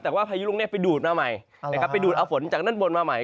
แต่ว่าพายุลูกนี้ไปดูดมาใหม่นะครับไปดูดเอาฝนจากด้านบนมาใหม่